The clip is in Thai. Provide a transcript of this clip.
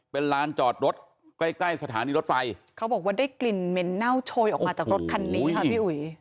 เป็นลานจอดรถใกล้ใกล้สถานีรถไฟเขาบอกว่าได้กลิ่นเหม็นเน่าโชยออกมาจากรถคันนี้ค่ะพี่อุ๋ย